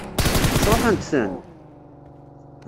Sṛuḥent-ten?